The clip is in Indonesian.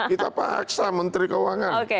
kita paksa menteri keuangan